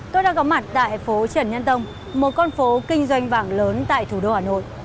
tôi đang có mặt tại phố trần nhân tông một con phố kinh doanh vàng lớn tại thủ đô hà nội